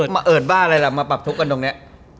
มาเอิดบ้าอะไรล่ะมาปรับทุกข์กันตรงนี้